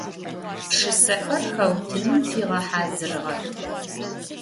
Пшысэхэр хэутыным фигъэхьазырыгъэх.